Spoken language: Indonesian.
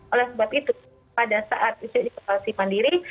oleh sebab itu pada saat kita mengalami isolasi mandiri